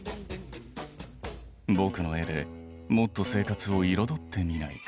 僕の絵でもっと生活を彩ってみないか。